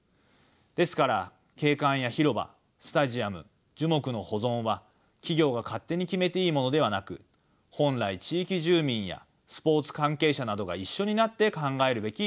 ですから景観や広場スタジアム樹木の保存は企業が勝手に決めていいものではなく本来地域住民やスポーツ関係者などが一緒になって考えるべき問題なのです。